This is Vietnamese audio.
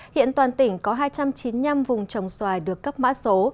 hiện toàn tỉnh có hai trăm chín mươi năm vùng trồng xoài được cấp mã số